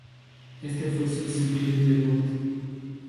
Este fue su single debut.